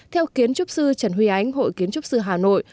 theo kiến trúc sư trần huy ánh hội kiến trúc sư hà nội